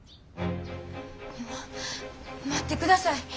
ま待ってください。